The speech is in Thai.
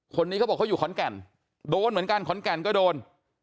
คนนี้เขาบอกเขาอยู่ขอนแก่นโดนเหมือนกันขอนแก่นก็โดน